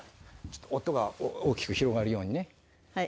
音が大きく広がるようにね。